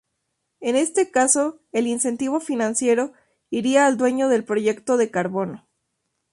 En este caso el incentivo financiero iría al dueño del proyecto de carbono.